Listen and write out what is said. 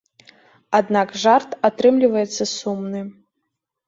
Аднак жарт атрымліваецца сумны.